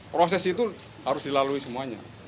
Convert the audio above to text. proses itu harus dilalui semuanya